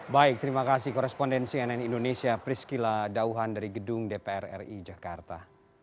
baik terima kasih korespondensi nn indonesia priscila dauhan dari gedung dpr ri jakarta